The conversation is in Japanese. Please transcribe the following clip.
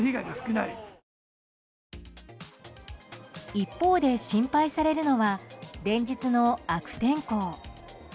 一方で心配されるのは連日の悪天候。